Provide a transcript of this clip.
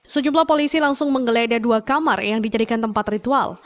sejumlah polisi langsung menggeledah dua kamar yang dijadikan tempat ritual